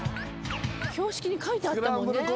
「標識に書いてあったもんね」